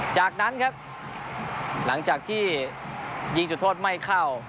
จากนั้นครับหลังจากที่ยิงจุดโทษไม่เข้า